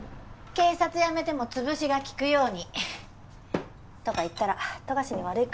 警察辞めても潰しが利くように。とか言ったら富樫に悪いか。